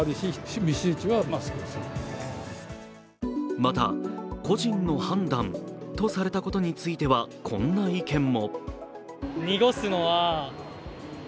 また、個人の判断とされたことについてはこんな意見も。